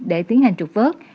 để tiến hành trục vớt